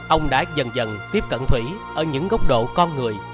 ông đã dần dần tiếp cận thủy ở những góc độ con người